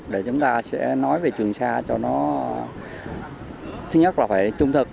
để chúng ta sẽ nói về trường sa cho nó thứ nhất là phải trung thực